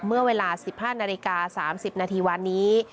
เมื่อเวลา๑๕นาฬิกา๓๐นาทีวันนี้